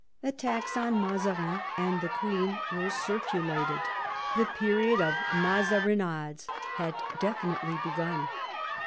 Attacks on Mazarin and the queen were circu lated : the period of Mazarinades had definitely begun.